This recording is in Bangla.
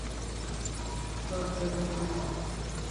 তর ত্যাগের জন্য।